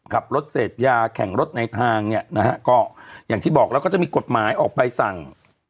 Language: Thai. ขับรถเศษยาแข่งรถในทางอย่างที่บอกแล้วก็จะมีกฎหมายออกไปสั่ง